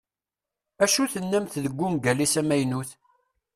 Acu tennamt deg ungal-is amaynut?